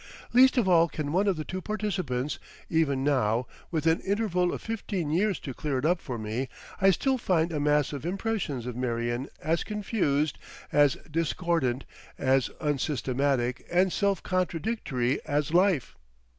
Least of all can one of the two participants. Even now, with an interval of fifteen years to clear it up for me, I still find a mass of impressions of Marion as confused, as discordant, as unsystematic and self contradictory as life.